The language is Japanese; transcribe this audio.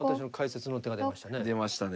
出ましたね。